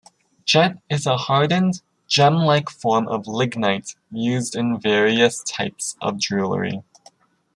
Jet is a hardened, gem-like form of lignite used in various types of jewelry.